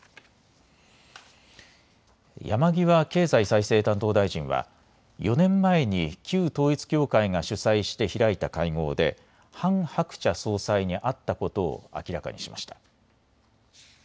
山際経済再生担当大臣は４年前に旧統一教会が主催して開いた会合でハン・ハクチャ総裁に会ったことを明らかにしました。